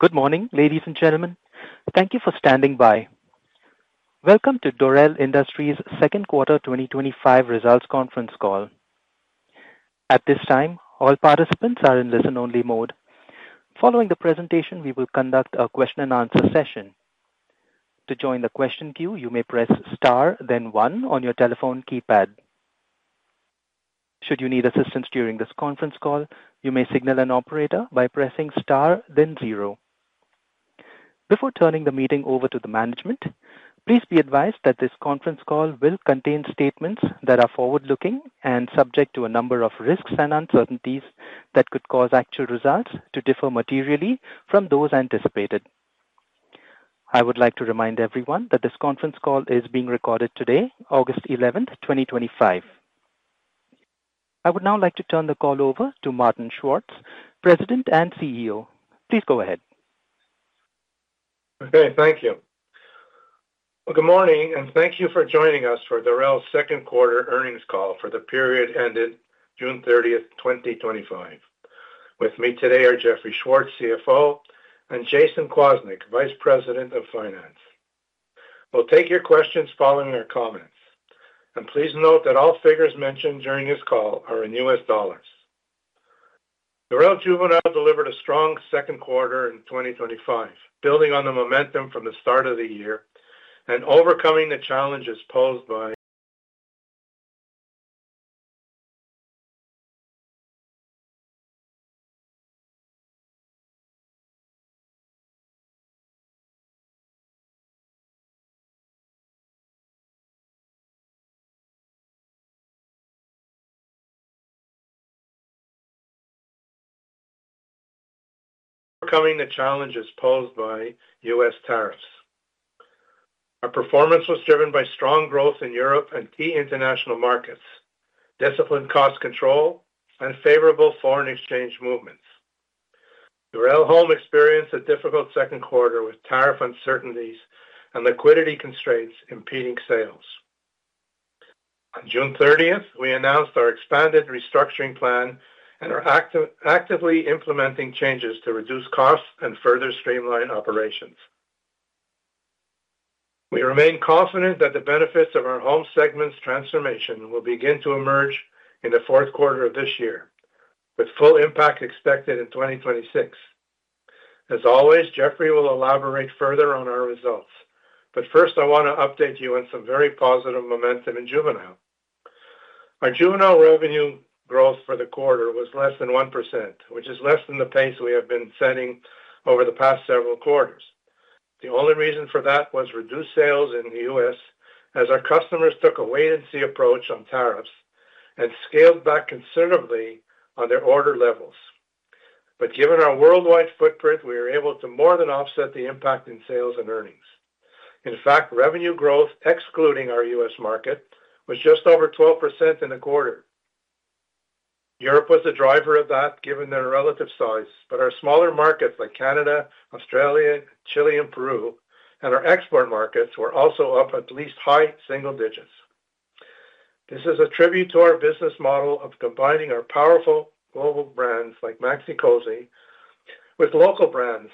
Good morning, ladies and gentlemen. Thank you for standing by. Welcome to Dorel Industries' Second Quarter 2025 Results Conference Call. At this time, all participants are in listen-only mode. Following the presentation, we will conduct a question-and-answer session. To join the question queue, you may press star, then one on your telephone keypad. Should you need assistance during this conference call, you may signal an operator by pressing star, then zero. Before turning the meeting over to the management, please be advised that this conference call will contain statements that are forward-looking and subject to a number of risks and uncertainties that could cause actual results to differ materially from those anticipated. I would like to remind everyone that this conference call is being recorded today, August 11th, 2025. I would now like to turn the call over to Martin Schwartz, President and CEO. Please go ahead. Okay, thank you. Good morning and thank you for joining us for Dorel's second quarter earnings call for the period ended June 30th, 2025. With me today are Jeffrey Schwartz, CFO, and Jayson Kwasnik, Vice President of Finance. We'll take your questions following our comments. Please note that all figures mentioned during this call are in US dollars. Dorel Juvenile delivered a strong second quarter in 2025, building on the momentum from the start of the year and overcoming the challenges posed by U.S. tariffs. Our performance was driven by strong growth in Europe and key international markets, disciplined cost control, and favorable foreign exchange movements. Dorel Home experienced a difficult second quarter with tariff uncertainties and liquidity constraints impeding sales. On June 30th, we announced our expanded restructuring plan and are actively implementing changes to reduce costs and further streamline operations. We remain confident that the benefits of our Home segment's transformation will begin to emerge in the fourth quarter of this year, with full impact expected in 2026. As always, Jeffrey will elaborate further on our results. First, I want to update you on some very positive momentum in Juvenile. Our Juvenile revenue growth for the quarter was less than 1%, which is less than the pace we have been setting over the past several quarters. The only reason for that was reduced sales in the U.S., as our customers took a wait-and-see approach on tariffs and scaled back considerably on their order levels. Given our worldwide footprint, we were able to more than offset the impact in sales and earnings. In fact, revenue growth, excluding our U.S. market, was just over 12% in the quarter. Europe was the driver of that, given their relative size, but our smaller markets like Canada, Australia, Chile, and Peru, and our export markets were also up at least high single digits. This is a tribute to our business model of combining our powerful global brands like Maxi-Cosi with local brands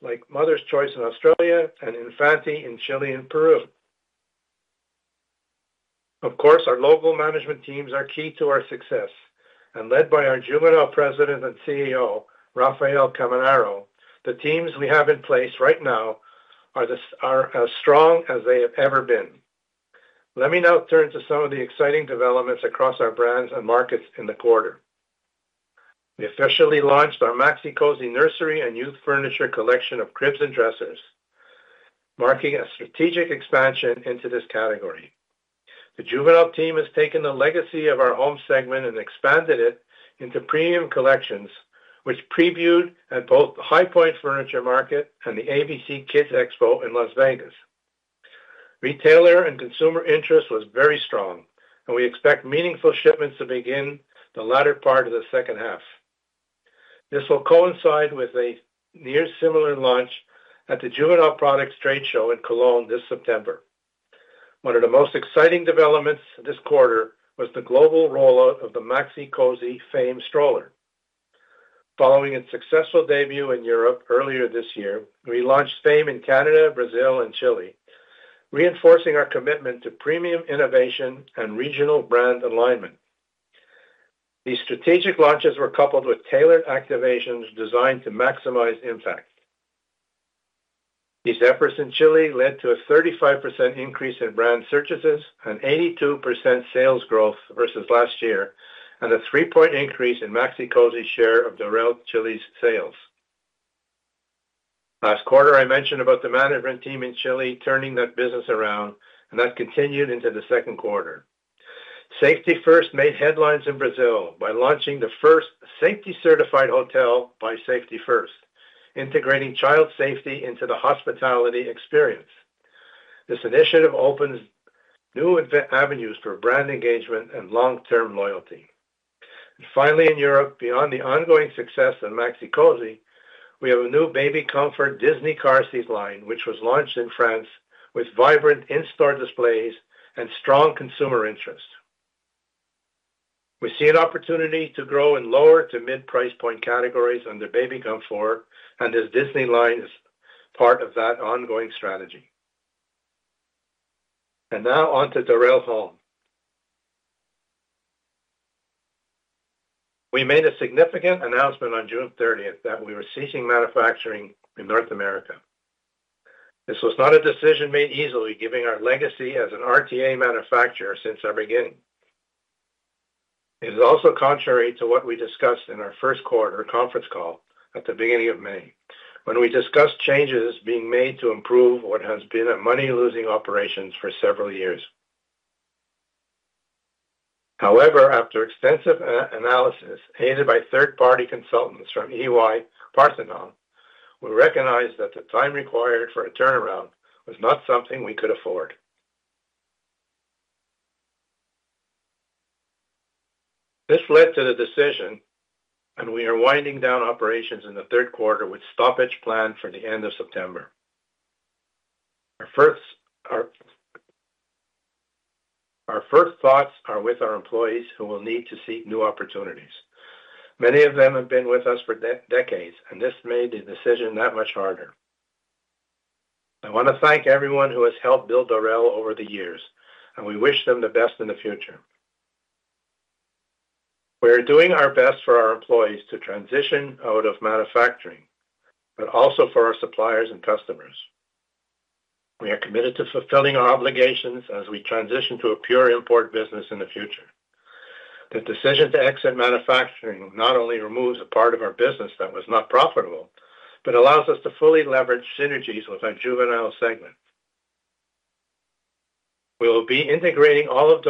like Mother's Choice in Australia and Infanti in Chile and Peru. Of course, our local management teams are key to our success, and led by our Juvenile President and CEO, Rafael Caminaro, the teams we have in place right now are as strong as they have ever been. Let me now turn to some of the exciting developments across our brands and markets in the quarter. We officially launched our Maxi-Cosi nursery and youth furniture collection of cribs and dressers, marking a strategic expansion into this category. The Juvenile team has taken the legacy of our home segment and expanded it into premium collections, which previewed at both the High Point Furniture Market and the ABC Kids Expo in Las Vegas. Retailer and consumer interest was very strong, and we expect meaningful shipments to begin the latter part of the second half. This will coincide with a near-similar launch at the Juvenile Products Trade Show in Cologne this September. One of the most exciting developments this quarter was the global rollout of the Maxi-Cosi Fame stroller. Following its successful debut in Europe earlier this year, we launched Fame in Canada, Brazil, and Chile, reinforcing our commitment to premium innovation and regional brand alignment. These strategic launches were coupled with tailored activations designed to maximize impact. These efforts in Chile led to a 35% increase in brand purchases and 82% sales growth versus last year, and a three-point increase in Maxi-Cosi's share of Dorel Chile's sales. Last quarter, I mentioned the management team in Chile turning that business around, and that continued into the second quarter. Safety 1st made headlines in Brazil by launching the first safety-certified hotel by Safety 1st, integrating child safety into the hospitality experience. This initiative opens new avenues for brand engagement and long-term loyalty. In Europe, beyond the ongoing success of Maxi-Cosi, we have a new Baby Comfort Disney car seat line, which was launched in France with vibrant in-store displays and strong consumer interest. We see an opportunity to grow in lower to mid-price point categories under Baby Comfort, and this Disney line is part of that ongoing strategy. Now on to Dorel Home. We made a significant announcement on June 30th that we were ceasing manufacturing in North America. This was not a decision made easily, given our legacy as an RTA manufacturer since our beginning. It is also contrary to what we discussed in our first quarter conference call at the beginning of May, when we discussed changes being made to improve what has been a money-losing operation for several years. However, after extensive analysis aided by third-party consultants from EY Parthenon, we recognized that the time required for a turnaround was not something we could afford. This led to the decision, and we are winding down operations in the third quarter with a stoppage planned for the end of September. Our first thoughts are with our employees who will need to seek new opportunities. Many of them have been with us for decades, and this made the decision that much harder. I want to thank everyone who has helped build Dorel over the years, and we wish them the best in the future. We are doing our best for our employees to transition out of manufacturing, but also for our suppliers and customers. We are committed to fulfilling our obligations as we transition to a pure import business in the future. The decision to exit manufacturing not only removes a part of our business that was not profitable, but allows us to fully leverage synergies with our juvenile segment. We will be integrating all of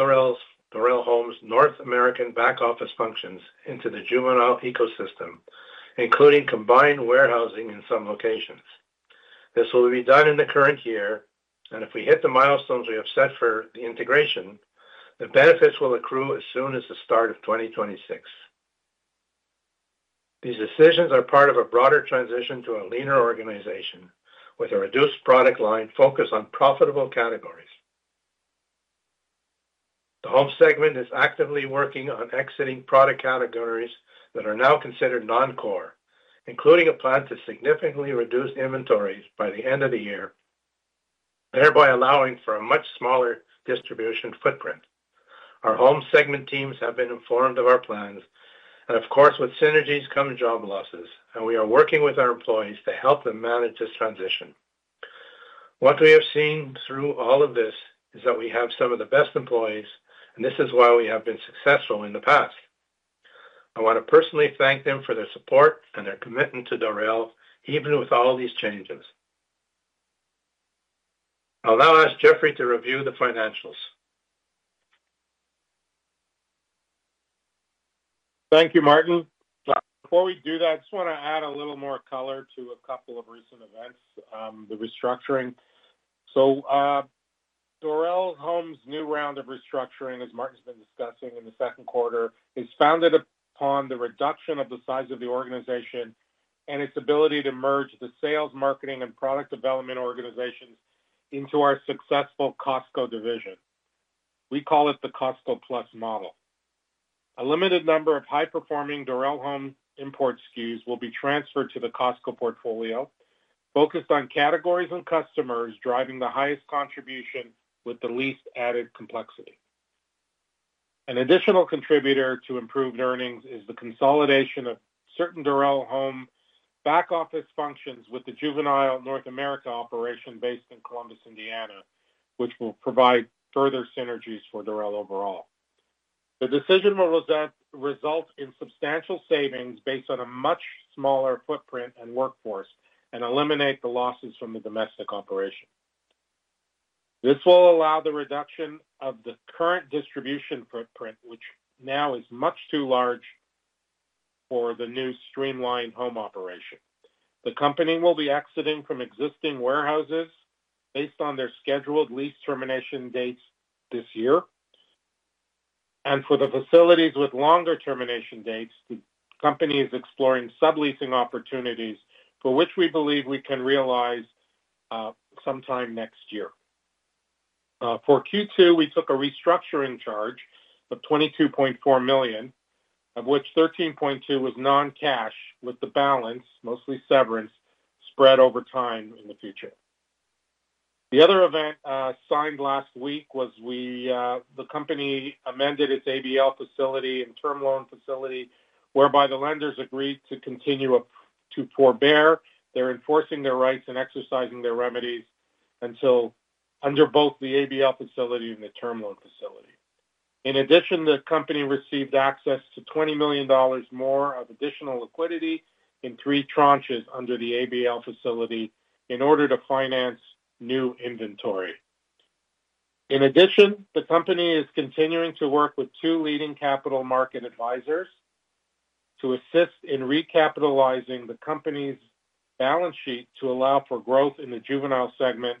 Dorel Home's North American back-office functions into the juvenile ecosystem, including combined warehousing in some locations. This will be done in the current year, and if we hit the milestones we have set for the integration, the benefits will accrue as soon as the start of 2026. These decisions are part of a broader transition to a leaner organization with a reduced product line focused on profitable categories. The home segment is actively working on exiting product categories that are now considered non-core, including a plan to significantly reduce inventories by the end of the year, thereby allowing for a much smaller distribution footprint. Our home segment teams have been informed of our plans, and of course, with synergies come job losses, and we are working with our employees to help them manage this transition. What we have seen through all of this is that we have some of the best employees, and this is why we have been successful in the past. I want to personally thank them for their support and their commitment to Dorel, even with all these changes. I'll now ask Jeffrey to review the financials. Thank you, Martin. Before we do that, I just want to add a little more color to a couple of recent events, the restructuring. Dorel Home's new round of restructuring, as Martin's been discussing in the second quarter, is founded upon the reduction of the size of the organization and its ability to merge the sales, marketing, and product development organizations into our successful Costco division. We call it the Costco Plus model. A limited number of high-performing Dorel Home import SKUs will be transferred to the Costco portfolio, focused on categories and customers driving the highest contribution with the least added complexity. An additional contributor to improved earnings is the consolidation of certain Dorel Home back-office functions with the juvenile North America operation based in Columbus, Indiana, which will provide further synergies for Dorel overall. The decision will result in substantial savings based on a much smaller footprint and workforce and eliminate the losses from the domestic operation. This will allow the reduction of the current distribution footprint, which now is much too large for the new streamlined home operation. The company will be exiting from existing warehouses based on their scheduled lease termination dates this year. For the facilities with longer termination dates, the company is exploring subleasing opportunities for which we believe we can realize sometime next year. For Q2, we took a restructuring charge of $22.4 million, of which $13.2 million was non-cash, with the balance, mostly severance, spread over time in the future. The other event signed last week was the company amended its ABL facility and term loan facility, whereby the lenders agreed to continue to forbear. They're enforcing their rights and exercising their remedies under both the ABL facility and the term loan facility. In addition, the company received access to $20 million more of additional liquidity in three tranches under the ABL facility in order to finance new inventory. The company is continuing to work with two leading capital market advisors to assist in recapitalizing the company's balance sheet to allow for growth in the juvenile segment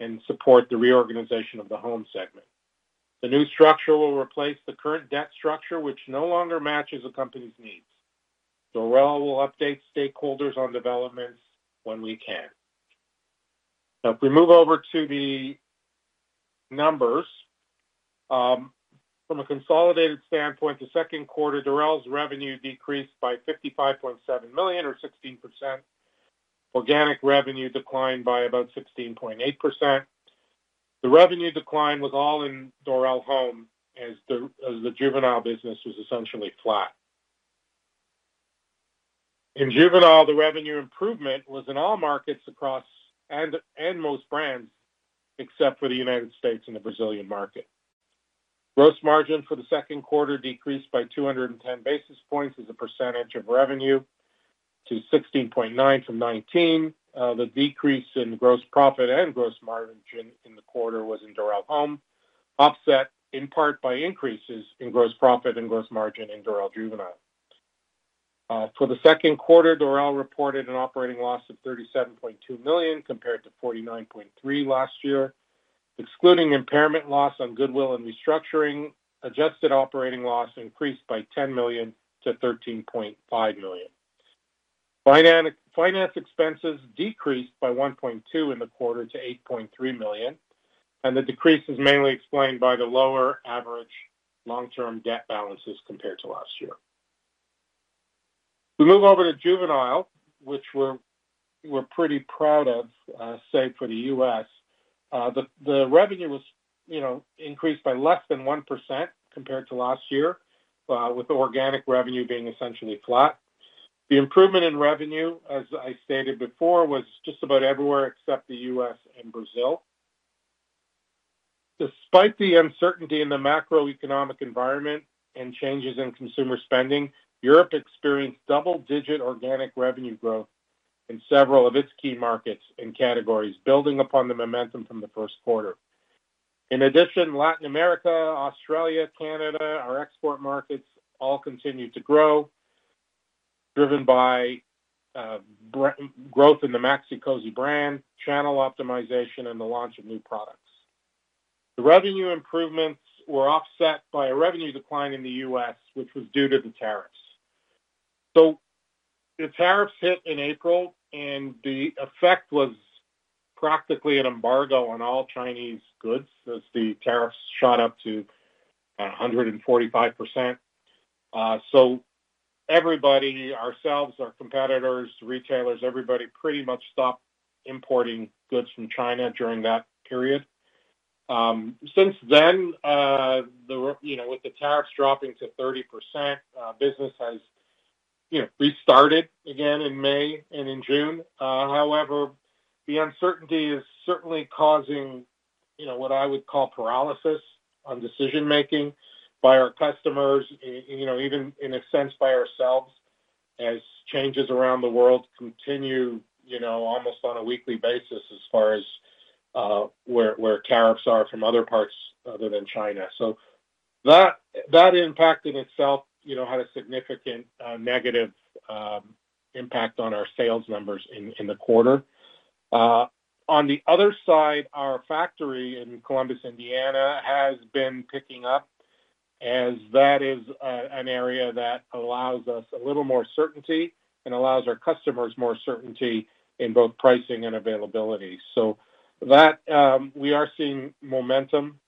and support the reorganization of the home segment. The new structure will replace the current debt structure, which no longer matches the company's needs. Dorel will update stakeholders on developments when we can. Now, if we move over to the numbers, from a consolidated standpoint, the second quarter, Dorel's revenue decreased by $55.7 million, or 16%. Organic revenue declined by about 16.8%. The revenue decline was all in Dorel Home as the juvenile business was essentially flat. In juvenile, the revenue improvement was in all markets across most brands except for the U.S. and the Brazilian market. Gross margin for the second quarter decreased by 210 basis points as a percentage of revenue to 16.9% from 19%. The decrease in gross profit and gross margin in the quarter was in Dorel Home, offset in part by increases in gross profit and gross margin in Dorel Juvenile. For the second quarter, Dorel reported an operating loss of $37.2 million compared to $49.3 million last year, excluding impairment loss on goodwill and restructuring. Adjusted operating loss increased by $10 million-$13.5 million. Finance expenses decreased by $1.2 million in the quarter to $8.3 million, and the decrease is mainly explained by the lower average long-term debt balances compared to last year. If we move over to juvenile, which we're pretty proud of, say for the U.S., the revenue was, you know, increased by less than 1% compared to last year, with organic revenue being essentially flat. The improvement in revenue, as I stated before, was just about everywhere except the U.S. and Brazil. Despite the uncertainty in the macroeconomic environment and changes in consumer spending, Europe experienced double-digit organic revenue growth in several of its key markets and categories, building upon the momentum from the first quarter. In addition, Latin America, Australia, Canada, our export markets all continued to grow, driven by growth in the Maxi-Cosi brand, channel optimization, and the launch of new products. The revenue improvements were offset by a revenue decline in the U.S., which was due to the tariffs. The tariffs hit in April, and the effect was practically an embargo on all Chinese goods as the tariffs shot up to 145%. Everybody, ourselves, our competitors, retailers, everybody pretty much stopped importing goods from China during that period. Since then, with the tariffs dropping to 30%, business has restarted again in May and in June. However, the uncertainty is certainly causing what I would call paralysis on decision-making by our customers, even in a sense by ourselves, as changes around the world continue almost on a weekly basis as far as where tariffs are from other parts other than China. That impact in itself had a significant negative impact on our sales numbers in the quarter. On the other side, our factory in Columbus, Indiana, has been picking up, as that is an area that allows us a little more certainty and allows our customers more certainty in both pricing and availability. We are seeing momentum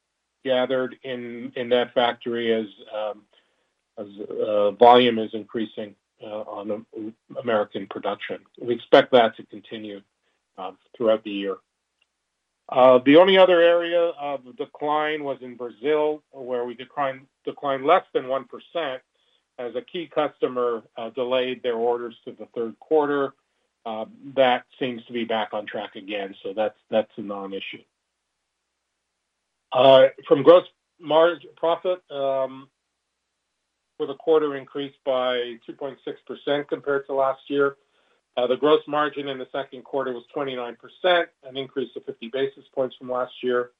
gathered in that factory as volume is increasing on American production. We expect that to continue throughout the year. The only other area of decline was in Brazil, where we declined less than 1% as a key customer delayed their orders to the third quarter. That seems to be back on track again. That's a non-issue. From gross margin, profit for the quarter increased by 2.6% compared to last year. The gross margin in the second quarter was 29%, an increase of 50 basis points from last year.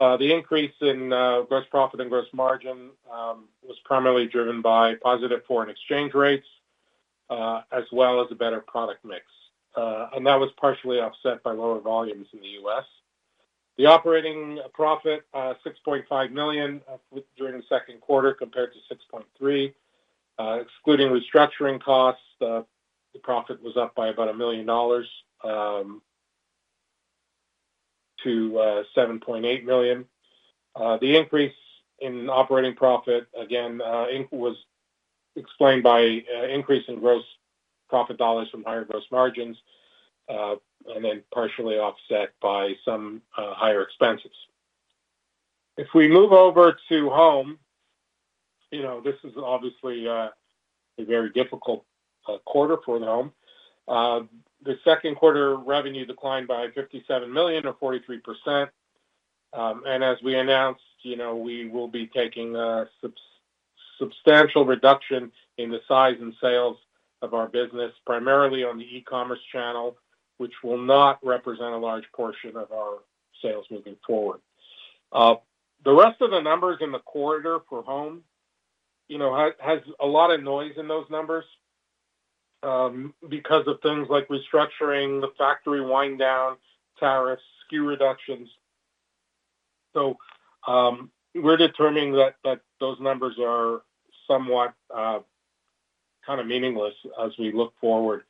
The increase in gross profit and gross margin was primarily driven by positive foreign exchange rates, as well as a better product mix. That was partially offset by lower volumes in the U.S. The operating profit, $6.5 million during the second quarter compared to $6.3 million. Excluding restructuring costs, the profit was up by about $1 million-$7.8 million. The increase in operating profit, again, was explained by an increase in gross profit dollars from higher gross margins, and then partially offset by some higher expenses. If we move over to home, this is obviously a very difficult quarter for the home. The second quarter revenue declined by $57 million, or 43%. As we announced, we will be taking a substantial reduction in the size and sales of our business, primarily on the e-commerce channel, which will not represent a large portion of our sales moving forward. The rest of the numbers in the quarter for home has a lot of noise in those numbers because of things like restructuring, the factory wind-down, tariffs, SKU reductions. We are determining that those numbers are somewhat kind of meaningless as we look forward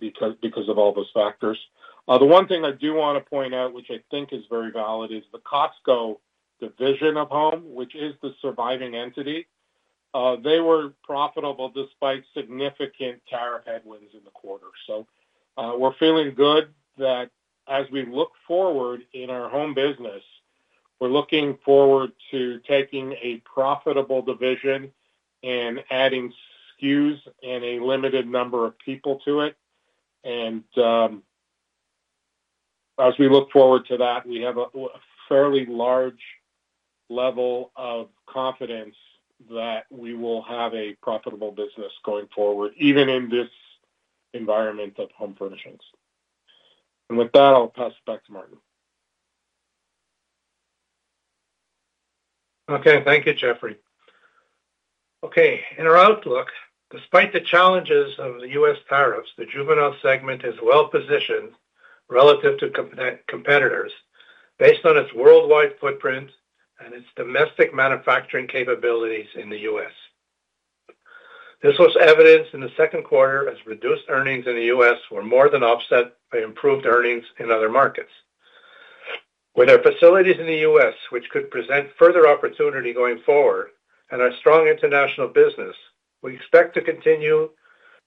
because of all those factors. The one thing I do want to point out, which I think is very valid, is the Costco division of home, which is the surviving entity. They were profitable despite significant tariff headwinds in the quarter. We are feeling good that as we look forward in our home business, we are looking forward to taking a profitable division and adding SKUs and a limited number of people to it. As we look forward to that, we have a fairly large level of confidence that we will have a profitable business going forward, even in this environment of home furnishings. With that, I'll pass it back to Martin. Okay. Thank you, Jeffrey. In our outlook, despite the challenges of the U.S. tariffs, the juvenile segment is well positioned relative to competitors based on its worldwide footprint and its domestic manufacturing capabilities in the U.S. This was evidenced in the second quarter as reduced earnings in the U.S. were more than offset by improved earnings in other markets. With our facilities in the U.S., which could present further opportunity going forward, and our strong international business, we expect to continue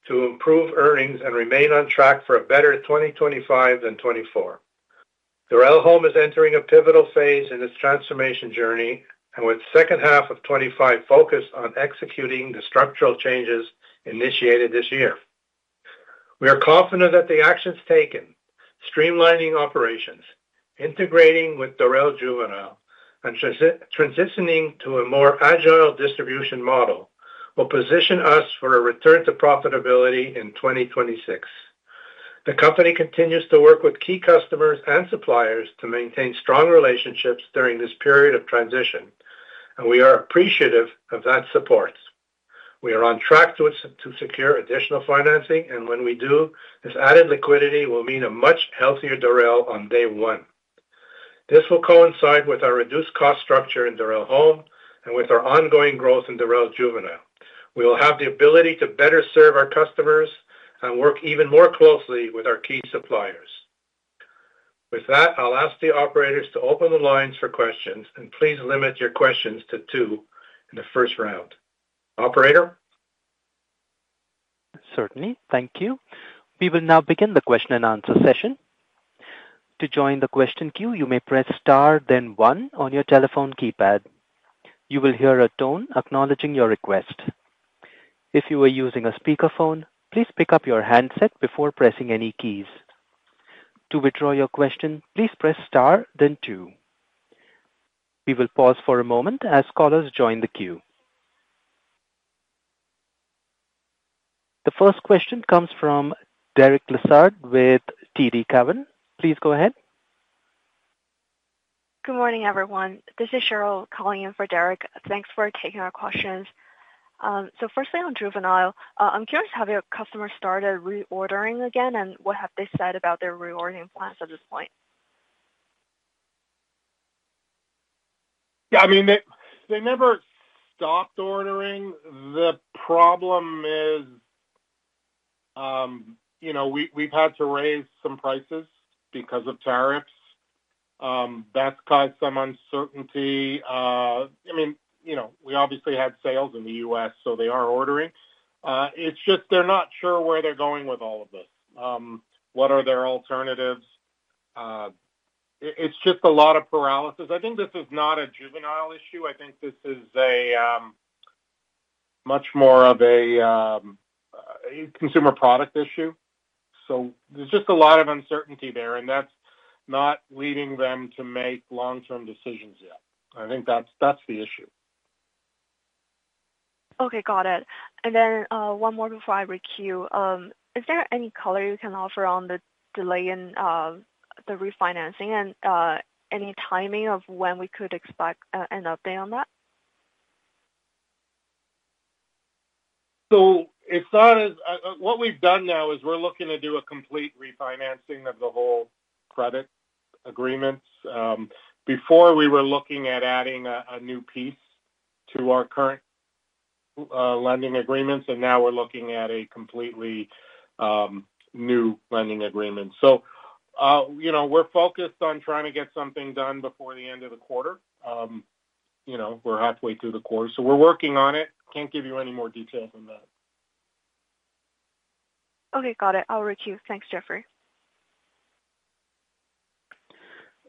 to improve earnings and remain on track for a better 2025 than 2024. Dorel Home is entering a pivotal phase in its transformation journey, with the second half of 2025 focused on executing the structural changes initiated this year. We are confident that the actions taken, streamlining operations, integrating with Dorel Juvenile, and transitioning to a more agile distribution model will position us for a return to profitability in 2026. The company continues to work with key customers and suppliers to maintain strong relationships during this period of transition, and we are appreciative of that support. We are on track to secure additional financing, and when we do, this added liquidity will mean a much healthier Dorel on day one. This will coincide with our reduced cost structure in Dorel Home and with our ongoing growth in Dorel Juvenile. We will have the ability to better serve our customers and work even more closely with our key suppliers. With that, I'll ask the operators to open the lines for questions, and please limit your questions to two in the first round. Operator? Certainly. Thank you. We will now begin the question-and-answer session. To join the question queue, you may press star, then one on your telephone keypad. You will hear a tone acknowledging your request. If you are using a speakerphone, please pick up your handset before pressing any keys. To withdraw your question, please press star, then two. We will pause for a moment as callers join the queue. The first question comes from Derek Lessard with TD Cowen. Please go ahead. Good morning, everyone. This is Cheryl calling in for Derek. Thanks for taking our questions. Firstly, on juvenile, I'm curious how your customers started reordering again and what have they said about their reordering plans at this point? Yeah, I mean, they never stopped ordering. The problem is, we've had to raise some prices because of tariffs. That's caused some uncertainty. We obviously have sales in the U.S., so they are ordering. It's just they're not sure where they're going with all of this. What are their alternatives? It's just a lot of paralysis. I think this is not a juvenile issue. I think this is much more of a consumer product issue. There's just a lot of uncertainty there, and that's not leading them to make long-term decisions yet. I think that's the issue. Okay. Got it. One more before I re-queue. Is there any color you can offer on the delay in the refinancing and any timing of when we could expect an update on that? What we've done now is we're looking to do a complete refinancing of the whole credit agreements. Before, we were looking at adding a new piece to our current lending agreements, and now we're looking at a completely new lending agreement. We're focused on trying to get something done before the end of the quarter. We're halfway through the quarter, so we're working on it. Can't give you any more details on that. Okay. Got it. I'll re-queue. Thanks, Jeffrey.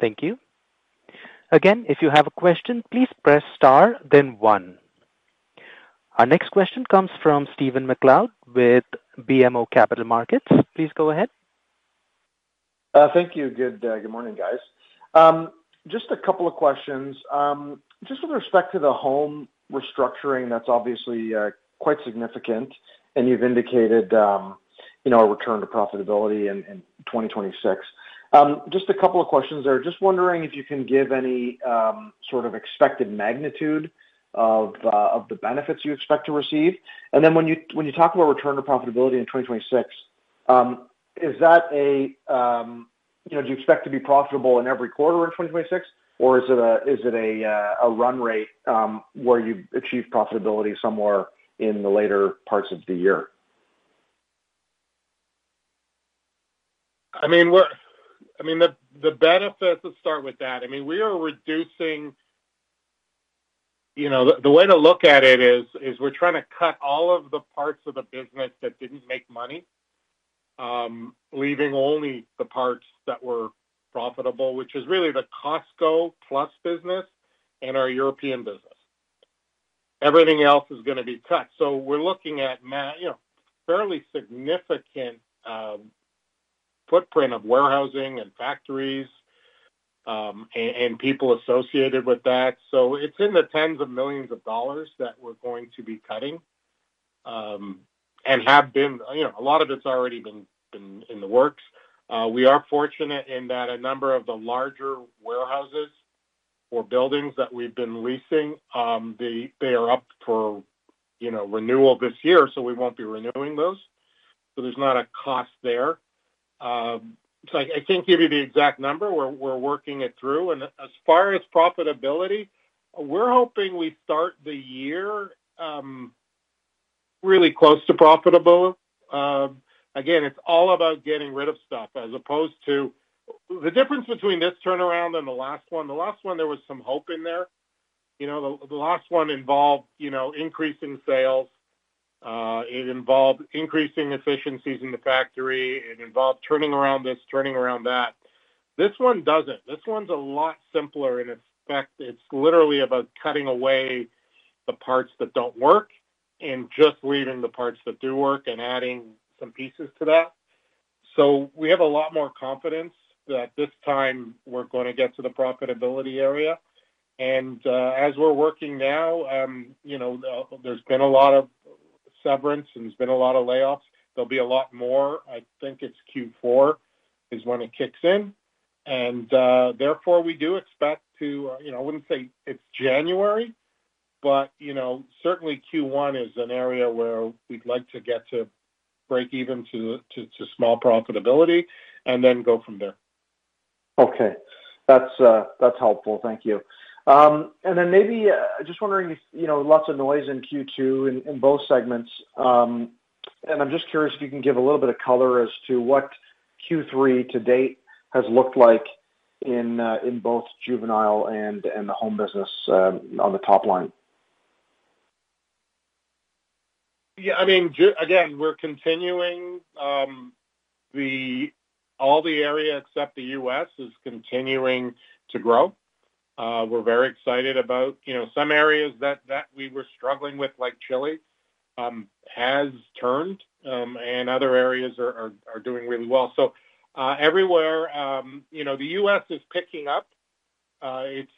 Thank you. Again, if you have a question, please press star, then one. Our next question comes from Stephen MacLeod with BMO Capital Markets. Please go ahead. Thank you. Good morning, guys. Just a couple of questions. With respect to the home restructuring, that's obviously quite significant, and you've indicated a return to profitability in 2026. Just a couple of questions there. Wondering if you can give any sort of expected magnitude of the benefits you expect to receive. When you talk about return to profitability in 2026, is that a, you know, do you expect to be profitable in every quarter in 2026, or is it a run rate where you achieve profitability somewhere in the later parts of the year? The benefits, let's start with that. We are reducing, you know, the way to look at it is we're trying to cut all of the parts of the business that didn't make money, leaving only the parts that were profitable, which is really the Costco Plus business and our European business. Everything else is going to be cut. We're looking at, you know, fairly significant footprint of warehousing and factories and people associated with that. It's in the tens of millions of dollars that we're going to be cutting and have been, you know, a lot of it's already been in the works. We are fortunate in that a number of the larger warehouses or buildings that we've been leasing, they are up for renewal this year, so we won't be renewing those. There's not a cost there. I can't give you the exact number. We're working it through. As far as profitability, we're hoping we start the year really close to profitable. Again, it's all about getting rid of stuff as opposed to the difference between this turnaround and the last one. The last one, there was some hope in there. The last one involved increasing sales. It involved increasing efficiencies in the factory. It involved turning around this, turning around that. This one doesn't. This one's a lot simpler in its effect. It's literally about cutting away the parts that don't work and just leaving the parts that do work and adding some pieces to that. We have a lot more confidence that this time we're going to get to the profitability area. As we're working now, there's been a lot of severance and there's been a lot of layoffs. There'll be a lot more. I think it's Q4 is when it kicks in. Therefore, we do expect to, you know, I wouldn't say it's January, but certainly Q1 is an area where we'd like to get to break even to small profitability and then go from there. Okay. That's helpful. Thank you. Maybe I'm just wondering, you know, lots of noise in Q2 in both segments. I'm just curious if you can give a little bit of color as to what Q3 to date has looked like in both juvenile and the home business on the top line. Yeah, I mean, again, we're continuing, all the area except the U.S. is continuing to grow. We're very excited about, you know, some areas that we were struggling with, like Chile, has turned, and other areas are doing really well. Everywhere, you know, the U.S. is picking up. It's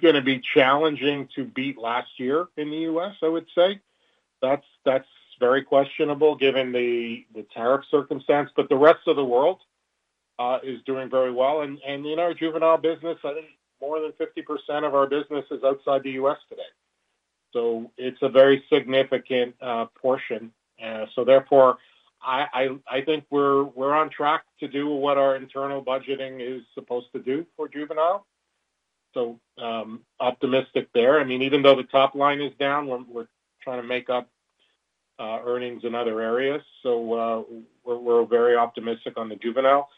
going to be challenging to beat last year in the U.S., I would say. That's very questionable given the tariff circumstance. The rest of the world is doing very well. In our juvenile business, I think more than 50% of our business is outside the U.S. today. It's a very significant portion. Therefore, I think we're on track to do what our internal budgeting is supposed to do for juvenile. Optimistic there. I mean, even though the top line is down, we're trying to make up earnings in other areas. We're very optimistic on the juvenile.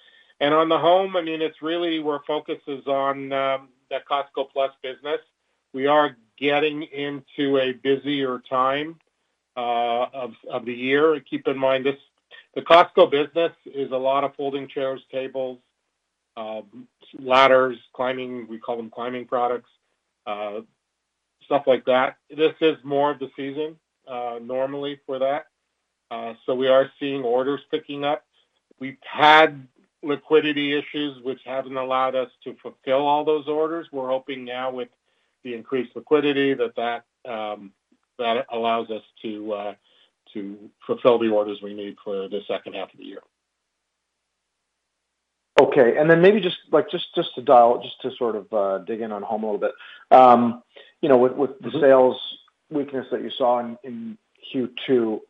On the home, it's really where focus is on that Costco Plus business. We are getting into a busier time of the year. Keep in mind, the Costco business is a lot of folding chairs, tables, ladders, climbing, we call them climbing products, stuff like that. This is more of the season normally for that. We are seeing orders picking up. We've had liquidity issues, which haven't allowed us to fulfill all those orders. We're hoping now with the increased liquidity that that allows us to fulfill the orders we need for the second half of the year. Okay. Maybe just to sort of dig in on home a little bit, with the sales weakness that you saw in Q2, do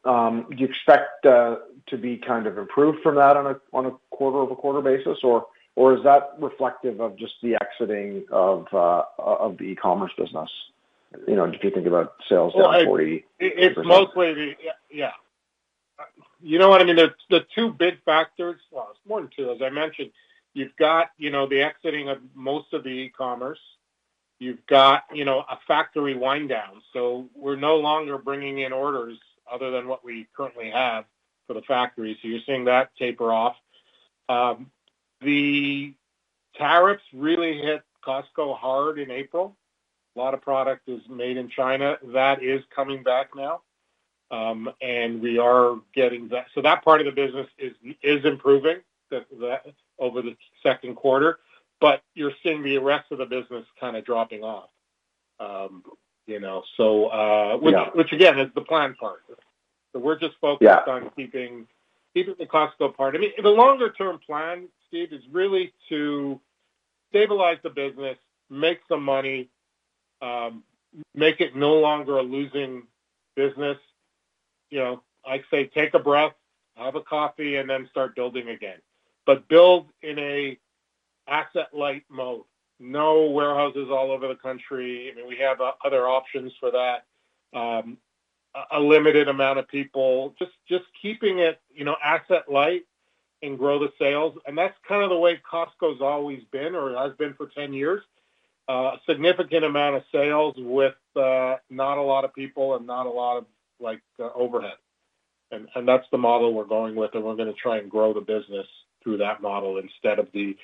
you expect to be kind of improved from that on a quarter-over-quarter basis, or is that reflective of just the exiting of the e-commerce business? If you think about sales down 40%. Yeah. The two big factors, well, it's more than two. As I mentioned, you've got the exiting of most of the e-commerce. You've got a factory wind-down. We are no longer bringing in orders other than what we currently have for the factory, so you're seeing that taper off. The tariffs really hit Costco hard in April. A lot of product was made in China. That is coming back now, and we are getting that. That part of the business is improving over the second quarter. You're seeing the rest of the business kind of dropping off, which, again, is the planned part. We are just focused on keeping the Costco part. The longer-term plan, Steve, is really to stabilize the business, make some money, make it no longer a losing business. I'd say take a breath, have a coffee, and then start building again, but build in an asset-light mode. No warehouses all over the country. We have other options for that. A limited amount of people, just keeping it asset-light and grow the sales. That's kind of the way Costco has always been, or has been for 10 years—a significant amount of sales with not a lot of people and not a lot of overhead. That's the model we're going with, and we're going to try and grow the business through that model instead of the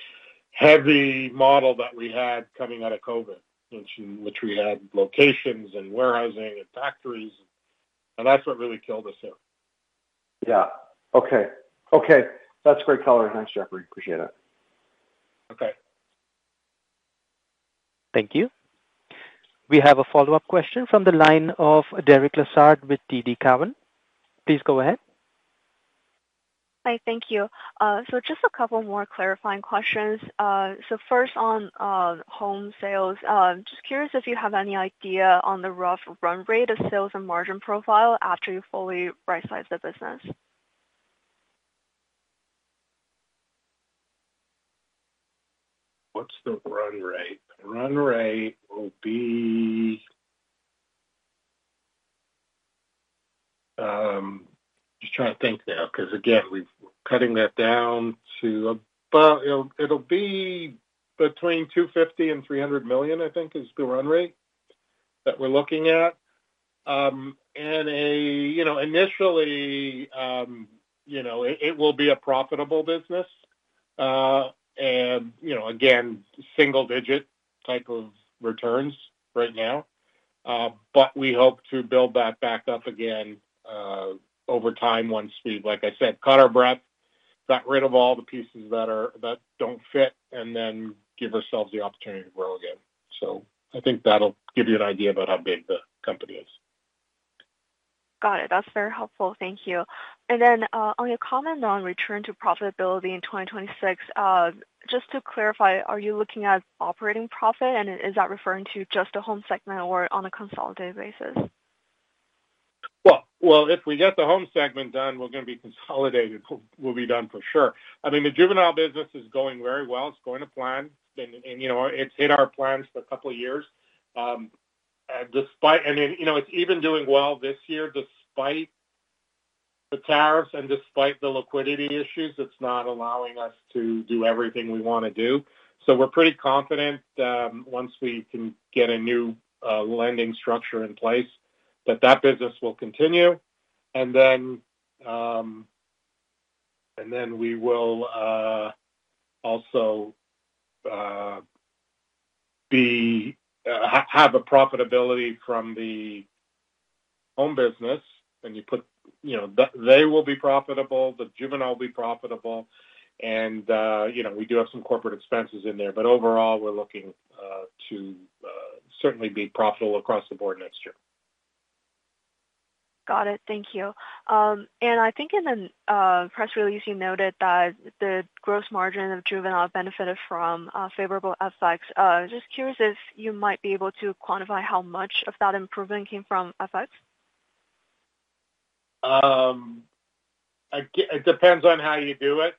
heavy model that we had coming out of COVID, in which we had locations and warehousing and factories. That's what really killed us here. Okay. Okay. That's great color. Thanks, Jeffrey. Appreciate it. Okay. Thank you. We have a follow-up question from the line of Derek Lissard with TD Cowen. Please go ahead. Hi. Thank you. Just a couple more clarifying questions. First on home sales, I'm just curious if you have any idea on the rough run-rate of sales and margin profile after you fully right-sized the business. What's the run rate? Run rate will be, I'm just trying to think now because, again, we're cutting that down to about, you know, it'll be between $250 million and $300 million, I think, is the run rate that we're looking at. Initially, it will be a profitable business. Single-digit type of returns right now, but we hope to build that back up again over time once we, like I said, caught our breath, got rid of all the pieces that don't fit, and then give ourselves the opportunity to grow again. I think that'll give you an idea about how big the company is. Got it. That's very helpful. Thank you. On your comment on return to profitability in 2026, just to clarify, are you looking at operating profit, and is that referring to just the home segment or on a consolidated basis? If we get the home segment done, we're going to be consolidated. We'll be done for sure. I mean, the juvenile business is going very well. It's going to plan, and you know, it's hit our plans for a couple of years. You know, it's even doing well this year despite the tariffs and despite the liquidity issues. It's not allowing us to do everything we want to do. We're pretty confident once we can get a new lending structure in place that that business will continue. We will also have a profitability from the home business. You put, you know, they will be profitable. The juvenile will be profitable. You know, we do have some corporate expenses in there. Overall, we're looking to certainly be profitable across the board next year. Got it. Thank you. I think in the press release, you noted that the gross margin of Juvenile benefited from favorable effects. I was just curious if you might be able to quantify how much of that improvement came from effects. It depends on how you do it.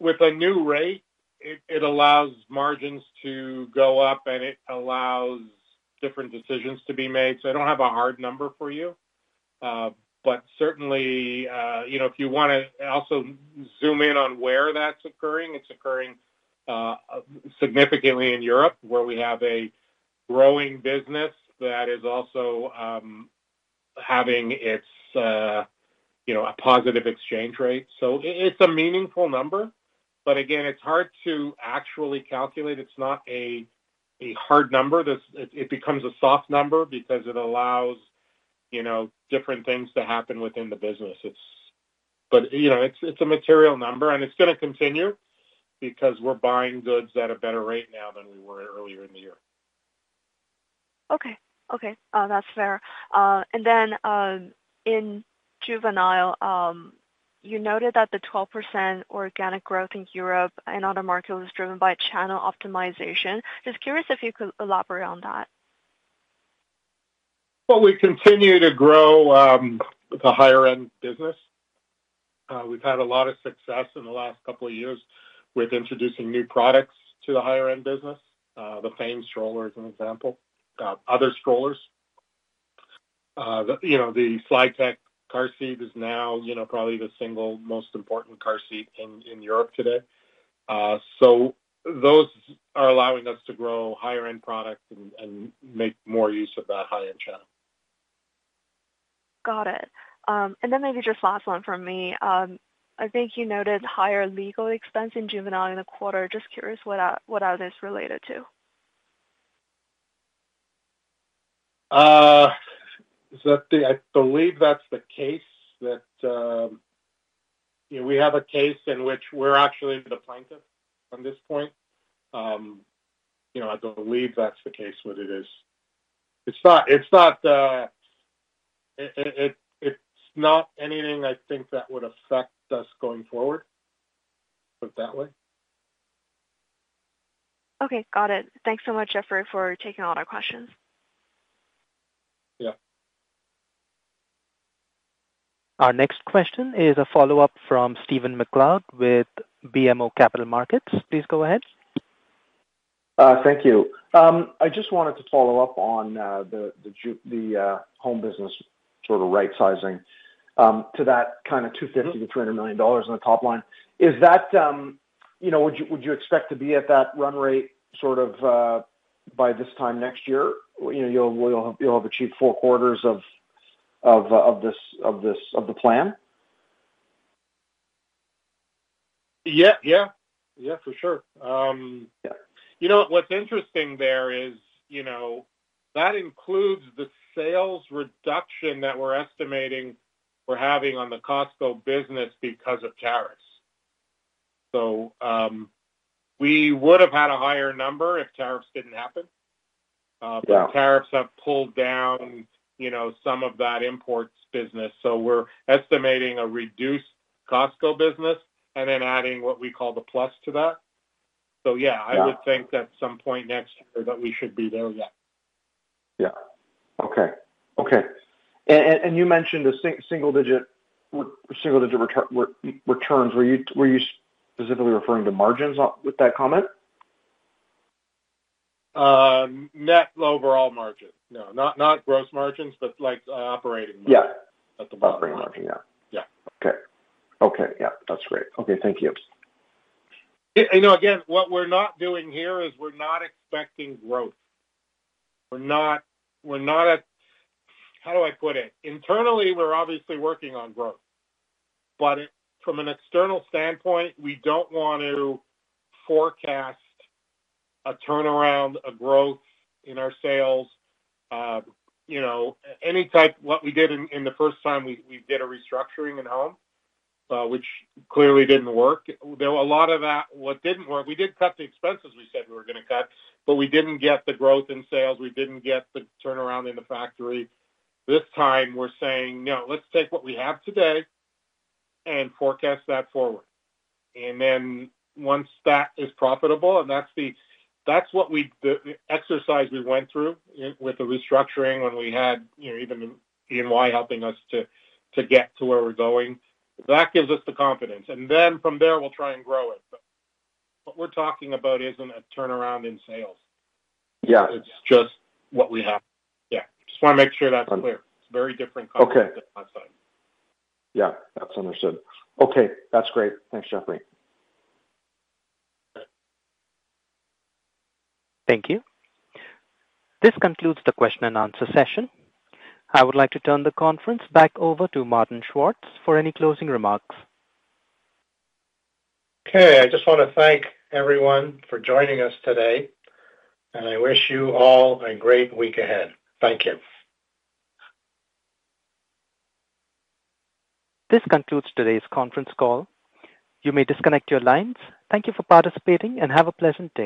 With a new rate, it allows margins to go up, and it allows different decisions to be made. I don't have a hard number for you. If you want to also zoom in on where that's occurring, it's occurring significantly in Europe, where we have a growing business that is also having a positive exchange rate. It's a meaningful number. Again, it's hard to actually calculate. It's not a hard number. It becomes a soft number because it allows different things to happen within the business. It's a material number, and it's going to continue because we're buying goods at a better rate now than we were earlier in the year. Okay. That's fair. In juvenile, you noted that the 12% organic growth in Europe and other markets is driven by channel optimization. Just curious if you could elaborate on that. We continue to grow the higher-end business. We've had a lot of success in the last couple of years with introducing new products to the higher-end business. The Maxi-Cosi Fame stroller is an example. Other strollers. The Flytech car seat is now probably the single most important car seat in Europe today. Those are allowing us to grow higher-end product and make more use of that high-end channel. Got it. Maybe just last one from me. I think you noted higher legal expense in Juvenile in the quarter. Just curious what that is related to. I believe that's the case. We have a case in which we're actually the plaintiff on this point. I believe that's the case, what it is. It's not anything I think that would affect us going forward, put it that way. Okay. Got it. Thanks so much, Jeffrey, for taking all our questions. Yeah. Our next question is a follow-up from Stephen MacLeod with BMO Capital Markets. Please go ahead. Thank you. I just wanted to follow up on the home business sort of right-sizing to that kind of $250 million-$300 million on the top line. Is that, you know, would you expect to be at that run rate by this time next year? You'll have achieved four quarters of this plan? Yeah, for sure. You know, what's interesting there is, you know, that includes the sales reduction that we're estimating we're having on the Costco business because of tariffs. We would have had a higher number if tariffs didn't happen. Tariffs have pulled down some of that imports business. We're estimating a reduced Costco business and then adding what we call the Plus to that. I would think at some point next year that we should be there. Yeah. Okay. You mentioned a single-digit returns. Were you specifically referring to margins with that comment? Net overall margin, no, not gross margins, but like operating margins. Operating margin. Okay. That's great. Thank you. You know, again, what we're not doing here is we're not expecting growth. We're not, we're not at, how do I put it? Internally, we're obviously working on growth. From an external standpoint, we don't want to forecast a turnaround, a growth in our sales, any type. What we did in the first time we did a restructuring in home, which clearly didn't work. There were a lot of that what didn't work. We did cut the expenses we said we were going to cut, but we didn't get the growth in sales. We didn't get the turnaround in the factory. This time, we're saying, "No, let's take what we have today and forecast that forward." Once that is profitable, and that's the, that's what we the exercise we went through with the restructuring when we had, you know, even EY helping us to get to where we're going. That gives us the confidence. From there, we'll try and grow it. What we're talking about isn't a turnaround in sales. It's just what we have. I just want to make sure that's clear. It's a very different concept than last time. Yeah, that's understood. Okay, that's great. Thanks, Jeffrey. Thank you. This concludes the question-and-answer session. I would like to turn the conference back over to Martin Schwartz for any closing remarks. Okay. I just want to thank everyone for joining us today. I wish you all a great week ahead. Thank you. This concludes today's conference call. You may disconnect your lines. Thank you for participating and have a pleasant day.